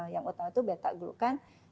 yang utama itu beta glukan